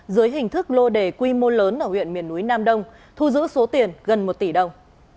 dưới hình thức lô đề quy mô lớn ở huyện miền núi nam đông thu giữ số tiền gần một tỷ đồng